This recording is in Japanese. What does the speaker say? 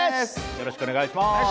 よろしくお願いします